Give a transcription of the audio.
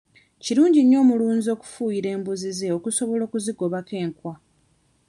Kirungi nnyo omulunzi okufuuyira embuzi ze okusobola okuzigobako enkwa.